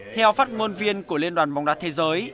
theo phát ngôn viên của liên đoàn bóng đá thế giới